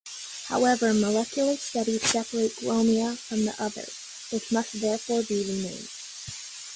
However, molecular studies separate "Gromia" from the others, which must therefore be renamed.